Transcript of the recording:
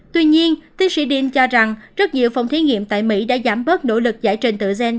tuy nhiên tiến sĩ din cho rằng rất nhiều phòng thí nghiệm tại mỹ đã giảm bớt nỗ lực giải trình tự gen